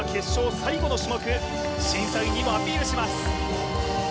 最後の種目審査員にもアピールします